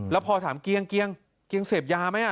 แล้วพอถามกิียงเกียงเสพยาไหมอ่ะ